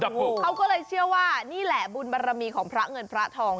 เขาก็เลยเชื่อว่านี่แหละบุญบารมีของพระเงินพระทอง